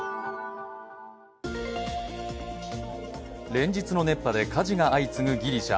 連日の熱波で火事が相次ぐギリシャ。